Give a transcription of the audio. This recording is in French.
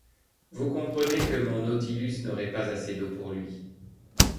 Vous comprenez que mon Nautilus n’aurait pas assez d’eau pour lui.